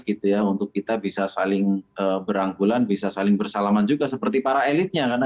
gitu ya untuk kita bisa saling berangkulan bisa saling bersalaman juga seperti para elitnya karena